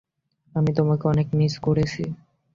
আমি তোমাকে অনেক মিস করেছি।